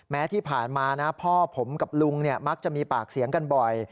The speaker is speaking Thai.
แม้ที่ผ่านมานะพ่อผมกับลุงมักจะมีปากเสียงกันบ่อย